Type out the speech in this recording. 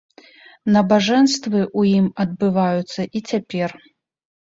Набажэнствы ў ім адбываюцца і цяпер.